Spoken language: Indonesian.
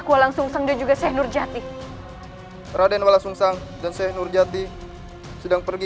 kuolang sungsang dan juga syekh nurjati raden walah sungsang dan syekh nurjati sedang pergi